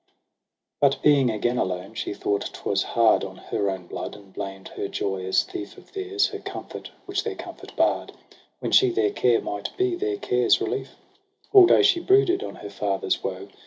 But being again alone, she thought 'twas hard On her own blood ; and blamed her joy as thief Of theirs, her comfort which their comfort barr'd j When she their care might be their care's relief. All day she brooded on her father's woe.